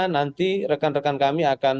nanti rekan rekan kami akan